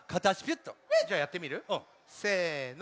じゃあやってみる？せの。